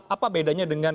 apa bedanya dengan